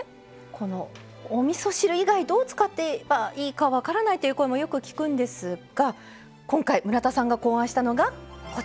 このおみそ汁以外どう使っていいか分からないという声もよく聞くんですが今回村田さんが考案したのがこちら！